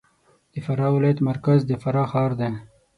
د فراه ولایت مرکز د فراه ښار دی